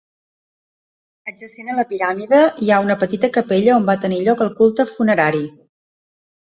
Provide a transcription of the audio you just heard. Adjacent a la piràmide hi ha una petita capella on va tenir lloc el culte funerari.